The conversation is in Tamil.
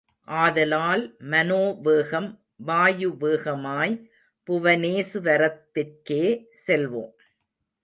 ஆதலால், மனோவேகம், வாயு வேகமாய் புவனேஸ்வரத்திற்கே செல்வோம்.